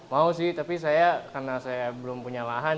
mau sih tapi saya karena saya belum punya lahan